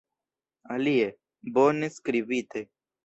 Alie, bone skribite!